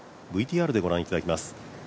ＶＴＲで御覧いただきます。